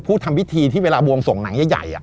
ทำพิธีที่เวลาบวงส่งหนังใหญ่